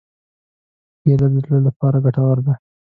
کېله د زړه لپاره ګټوره ده.